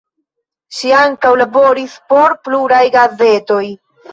Ŝi ankaŭ laboris por pluraj gazetoj.